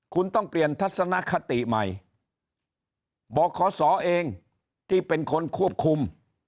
คุณต้องเปลี่ยนทัศนคติใหม่บอกขอสอเองที่เป็นคนควบคุม